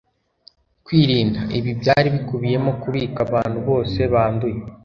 kwirinda. ibi byari bikubiyemo kubika abantu bose banduye